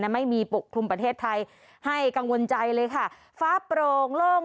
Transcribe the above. ไม่มีปกคลุมประเทศไทยให้กังวลใจเลยค่ะฟ้าโปร่งโล่ง